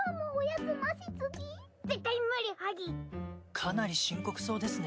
かなり深刻そうですね。